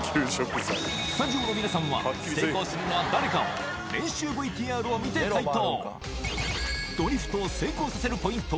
スタジオの皆さんは成功するのは誰かを練習ＶＴＲを見て解答